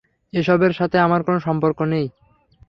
এসবের সাথে আমার কোনো সম্পর্ক নেই।